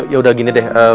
yaudah gini deh